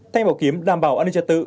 thay bảo kiếm đảm bảo an ninh trật tự